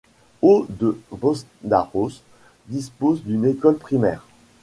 Haut-de-Bosdarros dispose d'une école primaire.